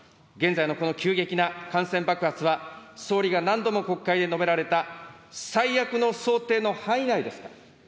現在のこの急激な感染爆発は総理が何度も国会で述べられた、最悪の想定の範囲内ですか。